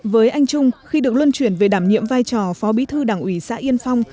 với anh trung khi được luân chuyển về đảm nhiệm vai trò phó bí thư đảng ủy xã yên phong